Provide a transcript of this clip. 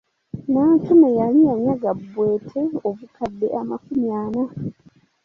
Nantume yali yanyaga Bwete obukadde amakumi ana.